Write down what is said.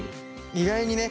意外にね。